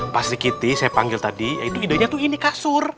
mas rikiti saya panggil tadi itu ide ide tuh ini kasur